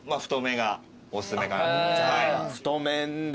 太麺で。